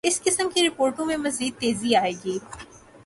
اس قسم کی رپورٹوں میںمزید تیزی آئے گی۔